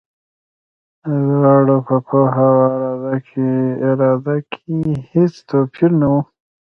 د دواړو په پوهه او اراده کې هېڅ توپیر نه و.